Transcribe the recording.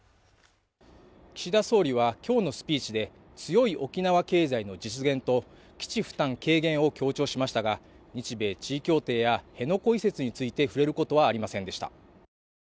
岸田総理は今日のスピーチで強い沖縄経済の実現と基地負担軽減を強調しましたが日米地位協定や辺野古移設について触れることはありませんでした。